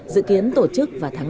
dự kiến tổ chức vào tháng năm